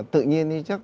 tự nhiên như chắc